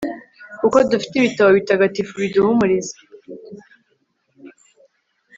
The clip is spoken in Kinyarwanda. kuko dufite ibitabo bitagatifu biduhumuriza